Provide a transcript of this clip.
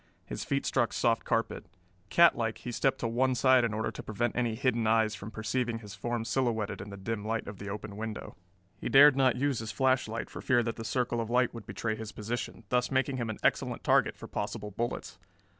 His feet struck soft carpet. Catlike, he stepped to one side in order to prevent any hidden eyes from perceiving his form silhouetted in the dim light of the open window. He dared not use his flashlight for fear that the circle of light would betray his position, thus making him an excellent target for possible bullets.